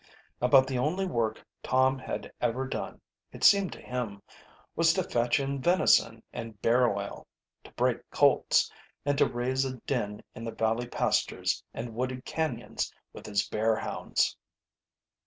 About the only work Tom had ever done, it seemed to him, was to fetch in venison and bear oil, to break colts, and to raise a din in the valley pastures and wooded canyons with his bear hounds.